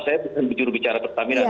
saya bukan berbicara tentang pertamina